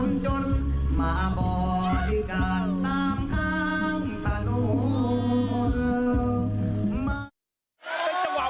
มอลำคลายเสียงมาแล้วมอลำคลายเสียงมาแล้ว